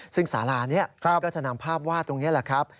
ซึ่งสารานี้ก็จะนำภาพวาดตรงนี้แหละครับ